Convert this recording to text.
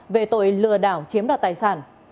về tội lừa đảo chiếm đoạt tài sản